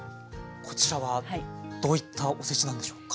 こちらはどういったおせちなんでしょうか？